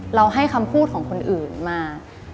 ให้คำพูดของคนอื่นมา